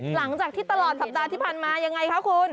หลังจากที่ตลอดสัปดาห์ที่ผ่านมายังไงคะคุณ